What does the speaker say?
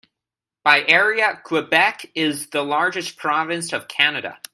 By area, Quebec is the largest province of Canada.